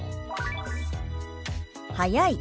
「早い」。